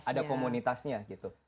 ada komunitasnya gitu